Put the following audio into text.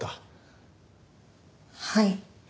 はい。